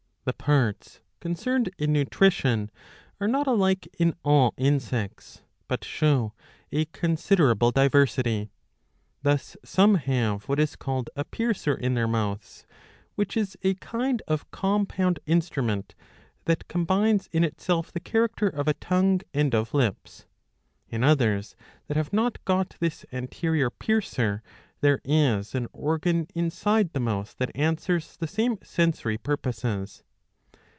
The parts concerned in nutrition are not alike in all insects, but show a considerable diversity. Thus some have what is called a piercer in their mouths, which is a kind of compound instrument that combines in itself the character of a tongue and of lips.'''' In others, that have not got this anterior piercer, there is an organ inside the mouth that answers the same sensory purposes.